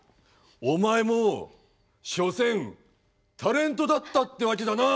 お前も所詮タレントだったってわけだなあ。